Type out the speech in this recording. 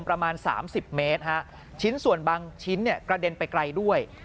ประมาณ๓๐เมตรฮะชิ้นส่วนบางชิ้นเนี่ยกระเด็นไปไกลด้วย